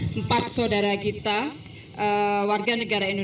menteri hai pertanyaan darul kalimantan setup maaf marshal joko widodo